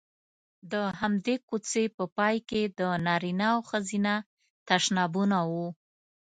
د همدې کوڅې په پای کې د نارینه او ښځینه تشنابونه وو.